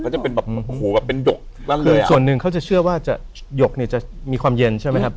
เขาจะเป็นแบบโอ้โหแบบเป็นหยกโดยส่วนหนึ่งเขาจะเชื่อว่าจะหยกเนี่ยจะมีความเย็นใช่ไหมครับ